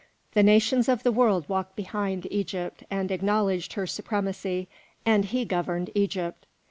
The nations of the world walked behind Egypt and acknowledged her supremacy, and he governed Egypt.